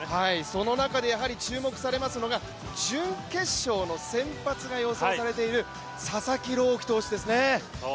その中で注目されますのが、準決勝の先発が予想されている佐々木朗希投手ですね。